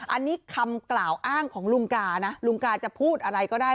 อันนี้คำกล่าวอ้างของลุงกานะลุงกาจะพูดอะไรก็ได้